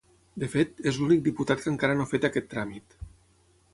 De fet, és l’únic diputat que encara no ha fet aquest tràmit.